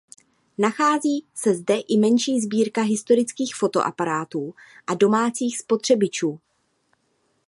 Nachází se zde i menší sbírka historických fotoaparátů a domácích spotřebičů.